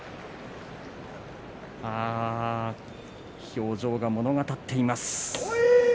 表情が物語っています。